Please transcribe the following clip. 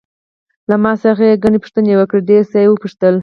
له ما څخه یې ګڼې پوښتنې وکړې، ډېر څه یې وپوښتل.